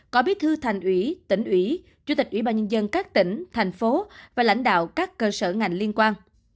có bí thư thành ủy tỉnh ủy chủ tịch ủy ban nhân dân các tỉnh thành phố và lãnh đạo các cơ sở ngành liên quan